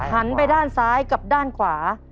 หันไปด้านซ้ายกับด้านขวา